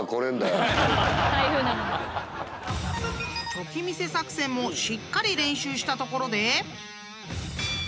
［チョキ見せ作戦もしっかり練習したところで］